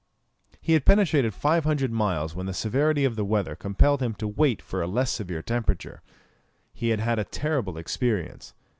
He had penetrated 500 miles when the severity of the weather compelled him to wait for a less severe temperature. He had had a terrible experience.